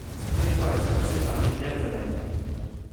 Son territoire est traversé par la rivière Venelle.